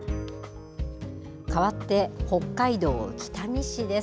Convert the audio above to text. かわって、北海道北見市です。